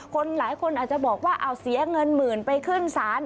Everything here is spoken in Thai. หลายคนอาจจะบอกว่าเอาเสียเงินหมื่นไปขึ้นศาล